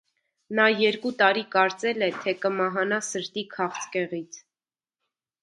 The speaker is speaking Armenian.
Նա երկու տարի կարծել է, թե կմահանա սրտի քաղցկեղից։